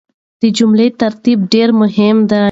د جملې ترتيب ډېر مهم دی.